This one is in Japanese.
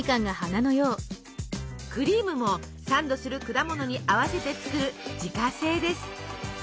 クリームもサンドする果物に合わせて作る自家製です。